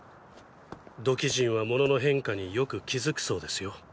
土器人は物の変化によく気付くそうですよ。